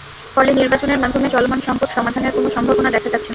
ফলে নির্বাচনের মাধ্যমে চলমান সংকট সমাধানের কোনো সম্ভাবনা দেখা যাচ্ছে না।